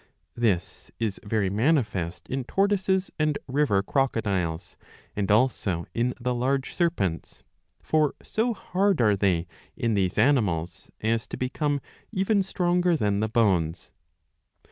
This is very manifest in tortoises and river crocodiles, and also in the large serpents: For so hard are they in these animals, as to become even stronger than the bones.